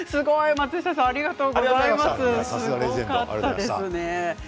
松下さん、ありがとうございます。